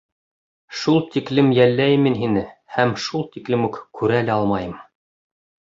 Шул тиклем йәлләйем мин һине, һәм шул тиклем үк күрә лә алмайым!